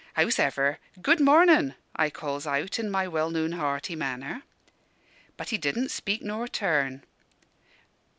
Hows'ever, 'Good mornin'!' I calls out, in my well known hearty manner. But he didn' speak nor turn.